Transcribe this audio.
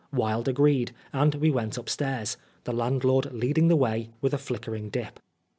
Wilde agreed, and we went upstairs, the landlord leading the way with a flickering dip.